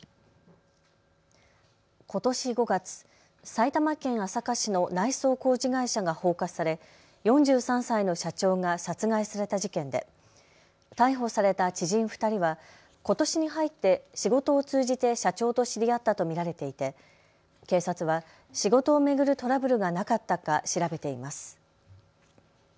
ことし５月、埼玉県朝霞市の内装工事会社が放火され４３歳の社長が殺害された事件で逮捕された知人２人はことしに入って仕事を通じて社長と知り合ったと見られていて警察は仕事を巡るトラブルがなかったか調べています。